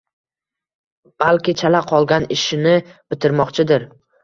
Balki chala qolgan ishini bitirmoqchidir